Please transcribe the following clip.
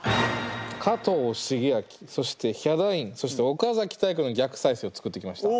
加藤シゲアキそしてヒャダインそして岡崎体育の逆再生を作ってきました。